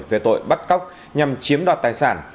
về tội bắt cóc nhằm chiếm đoạt tài sản